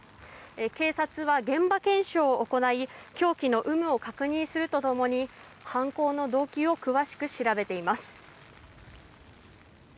警察は現場検証を行い凶器の有無を確認するとともに犯行の動機を詳しく調べています。